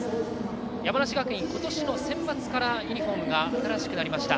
山梨学院、今年のセンバツからユニフォームが新しくなりました。